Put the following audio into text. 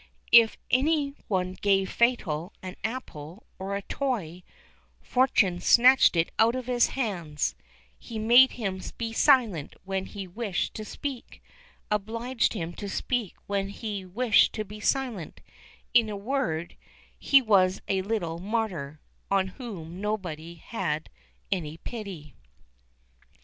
If any one gave Fatal an apple or a toy, Fortuné snatched it out of his hands; he made him be silent when he wished to speak; obliged him to speak when he wished to be silent; in a word, he was a little martyr, on whom no one had any pity.